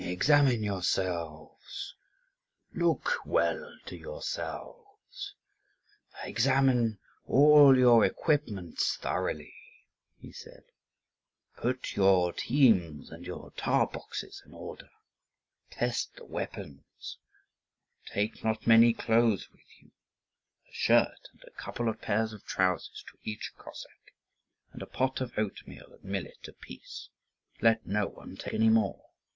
"Examine yourselves, look well to yourselves; examine all your equipments thoroughly," he said; "put your teams and your tar boxes (3) in order; test your weapons. Take not many clothes with you: a shirt and a couple of pairs of trousers to each Cossack, and a pot of oatmeal and millet apiece let no one take any more.